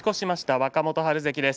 若元春関です。